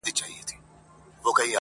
چا له وني څخه وکړله پوښتنه؛